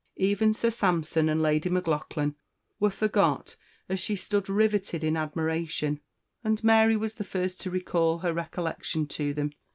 Even Sir Sampson and Lady Maclaughlan were forgot as she stood riveted in admiration, and Mary was the first to recall her recollection to them.